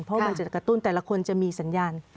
เพราะมันจะกระตุ้นแต่ละคนจะมีสัญญาณ